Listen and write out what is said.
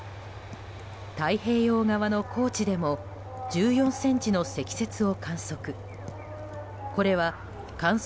太平洋側の高知でも１４ｃｍの積雪を観測。